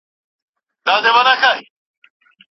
تشخیص باید دقیق او سم وي.